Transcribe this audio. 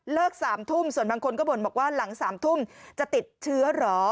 ๓ทุ่มส่วนบางคนก็บ่นบอกว่าหลัง๓ทุ่มจะติดเชื้อเหรอ